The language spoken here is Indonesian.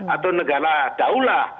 atau negara daulah